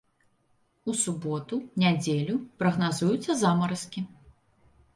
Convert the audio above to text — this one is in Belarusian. У суботу, нядзелю прагназуюцца замаразкі.